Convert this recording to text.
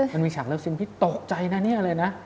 มันมีฉากเลิฟซิมพี่ตกใจนะเนี่ยอะไรนะ